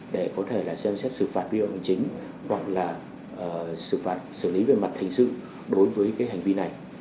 để có thể xem xét xử phạt video hình chính hoặc là xử phạt xử lý về mặt hình sự đối với cái hành vi này